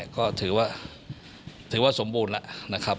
ก็ถือว่าสมบูรณ์เหละนะครับ